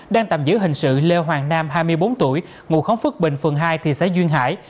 đang tạm giữ hình sự lê hoàng nam hai mươi bốn tuổi ngụ khóng phước bình phường hai thị xã duyên hải